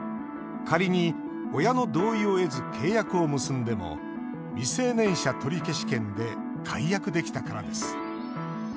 仮に親の同意を得ず契約を結んでも未成年者取消権で解約できたからです。